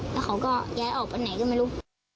แล้วเขาก็ย้ายออกไปไหนก็ไม่รู้